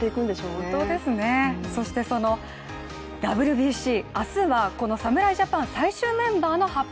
本当ですね、そしてそのＷＢＣ、明日はこの侍ジャパン最終メンバーの発表。